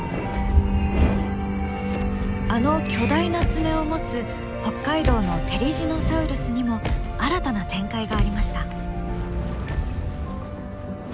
あの巨大な爪を持つ北海道のテリジノサウルスにも新たな展開がありました。